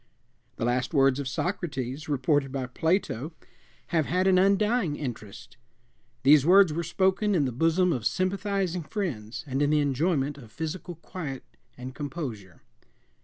The last words of Socrates, reported by Plato, have had an undying interest. These words were spoken in the bosom of sympathizing friends and in the enjoyment of physical quiet and composure.